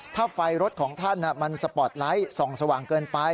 ถ้าไฟรถของท่านมันสปอร์ตไลท์ส่องสว่างเกินไป